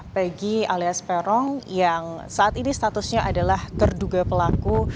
pegi alias peron yang saat ini statusnya adalah terduga pelaku